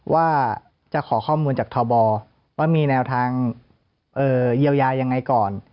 ว่าจะขอข้อมูลจากทบว่ามีแนวทางเยียวยายังไงก่อน